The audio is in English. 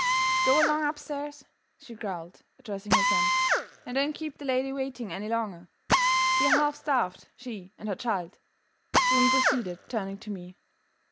"Go along upstairs," she growled, addressing her son; "and don't keep the lady waiting any longer. They're half starved, she and her child," the woman proceeded, turning to me.